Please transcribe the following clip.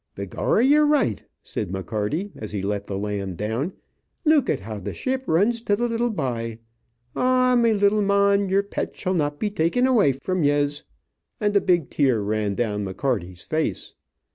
"Begorra, yer right," said McCarty, as he let the lamb down. "Luk at how the shep runs to the little bye. Ah, me little mon, yer pet shall not be taken away from yez," and a big tear ran down McCarty's face.